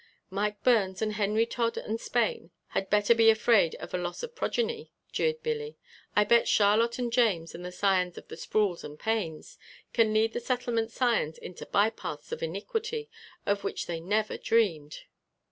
"Mike Burns and Henry Todd and Spain had better be afraid of a loss of progeny," jeered Billy. "I bet Charlotte and James and the scions of the Sprouls and Paynes can lead the Settlement scions into by paths of iniquity of which they never dreamed."